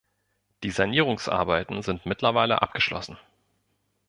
Die Sanierungsarbeiten sind mittlerweile abgeschlossen.